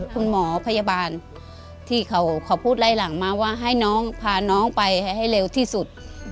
คุณหมอพยาบาลที่เขาพูดไล่หลังมาว่าให้น้องพาน้องไปให้เร็วที่สุด